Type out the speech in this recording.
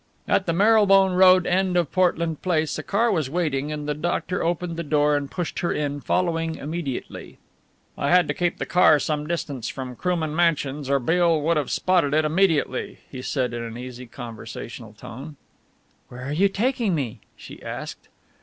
At the Marylebone Road end of Portland Place a car was waiting and the doctor opened the door and pushed her in, following immediately. "I had to keep the car some distance from Krooman Mansions or Beale would have spotted it immediately," he said in an easy conversational tone. "Where are you taking me?" she asked.